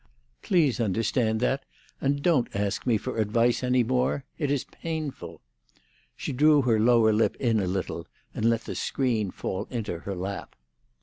Please understand that, and don't ask me for advice any more. It is painful." She drew her lower lip in a little, and let the screen fall into her lap.